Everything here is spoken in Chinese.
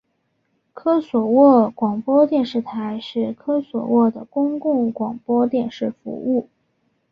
科索沃广播电视台是科索沃的公共广播电视服务。